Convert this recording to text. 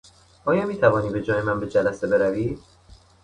آیا میتوانی به جای من به جلسه بروی؟